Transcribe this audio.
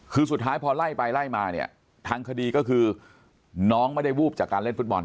คือสุดท้ายพอไล่ไปไล่มาเนี่ยทางคดีก็คือน้องไม่ได้วูบจากการเล่นฟุตบอล